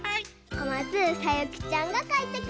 こまつさゆきちゃんがかいてくれました。